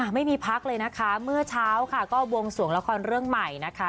ไม่มีพักเลยนะคะเมื่อเช้าค่ะก็วงสวงละครเรื่องใหม่นะคะ